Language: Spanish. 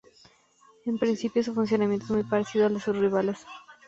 En principio, su funcionamiento es muy parecido al de sus rivales.